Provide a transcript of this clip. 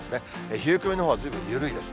冷え込みのほうはずいぶん緩いです。